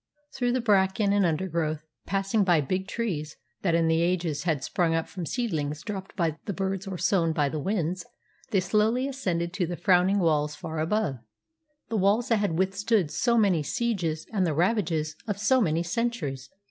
Through the bracken and undergrowth, passing by big trees that in the ages had sprung up from seedlings dropped by the birds or sown by the winds, they slowly ascended to the frowning walls far above the walls that had withstood so many sieges and the ravages of so many centuries.